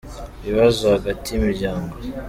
Ibibazo hagati y’imiryango.